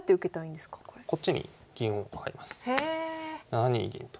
７二銀と。